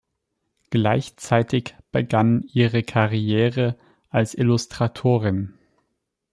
Gleichzeitig begann ihre Karriere als Illustratorin.